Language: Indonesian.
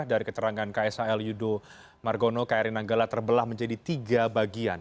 dari keterangan ksal yudo margono kri nanggala terbelah menjadi tiga bagian